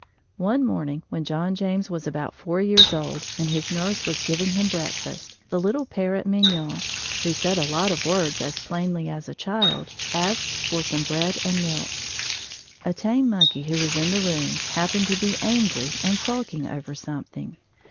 One morning when John James was about four years old and his nurse was giving him his breakfast, the little parrot Mignonne, who said a lot of words as plainly as a child, asked for some bread and milk. A tame monkey who was in the room happened to be angry and sulking over something.